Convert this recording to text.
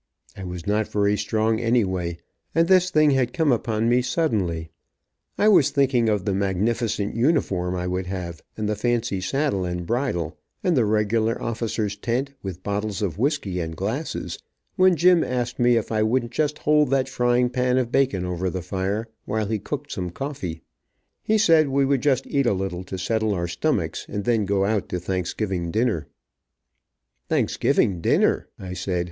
I was not very strong anyway, and this thing had come upon me suddenly I was thinking of the magnificent uniform I would have, and the fancy saddle and bridle, and the regular officer's tent, with bottles of whiskey and glasses, when Jim asked me if I wouldn't just hold that frying pan of bacon over the fire, while he cooked some coffee. He said we would just eat a little to settle our stomachs, and then go out to Thanksgiving dinner. "Thanksgiving dinner," I said.